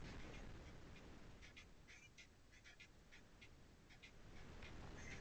Ni vyema viazi vikavunwa kwa wakati kuepusha kukomaa na kuwa na nyuzinyuzi